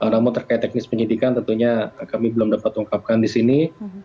namun terkait teknis penyidikan tentunya kami belum dapat ungkapkan di sini